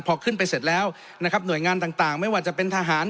พอขึ้นไปเสร็จแล้วนะครับหน่วยงานต่างไม่ว่าจะเป็นทหาร